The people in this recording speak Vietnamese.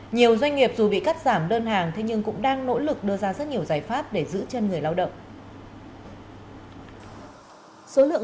nhiều doanh nghiệp dù bị cắt giảm đơn hàng thế nhưng cũng đang nỗ lực đưa ra rất nhiều giải pháp để giữ chân người lao động